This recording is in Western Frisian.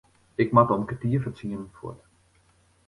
Ik moat om kertier foar tsienen fuort.